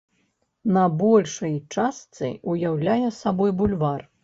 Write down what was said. На большай частцы ўяўляе сабой бульвар.